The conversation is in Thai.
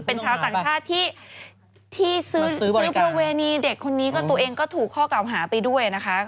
เป็นชาวต่างชาติที่ซื้อประเวณีเด็กคนนี้ก็ตัวเองก็ถูกข้อเก่าหาไปด้วยนะคะ